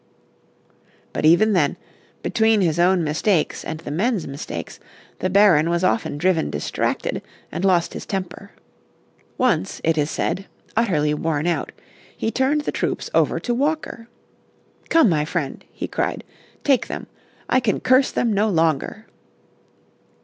But even then, between his own mistakes and the men's mistakes, the Baron was often driven distracted, and lost his temper. Once, it is said, utterly worn out, he turned the troops over to Walker. "Come, my friend," he cried, "take them; I can curse them no longer."